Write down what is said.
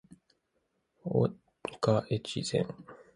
大岡越前